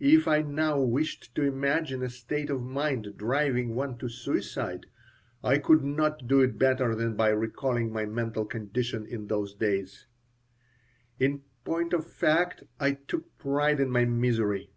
If I now wished to imagine a state of mind driving one to suicide I could not do it better than by recalling my mental condition in those days In point of fact I took pride in my misery.